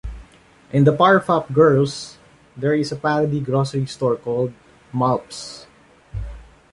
In "The Powerpuff Girls", there is a parody grocery store called "Malph's".